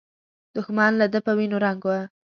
دښمن له ده په وینو رنګ و.